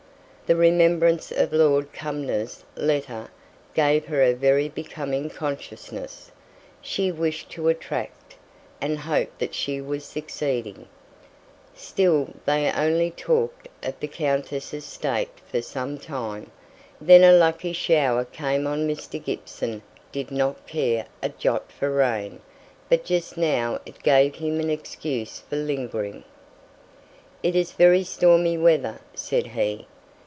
The remembrance of Lord Cumnor's letter gave her a very becoming consciousness; she wished to attract, and hoped that she was succeeding. Still they only talked of the countess's state for some time: then a lucky shower came on. Mr. Gibson did not care a jot for rain, but just now it gave him an excuse for lingering. "It's very stormy weather," said he.